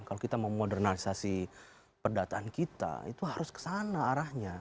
kalau kita mau modernalisasi perdataan kita itu harus kesana arahnya